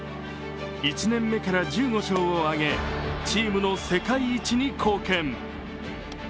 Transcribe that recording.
１年目から１５勝を挙げ、チームの世界一に貢献。